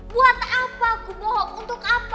buat apa aku bohong untuk apa